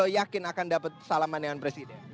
yakin akan dapat salaman dengan presiden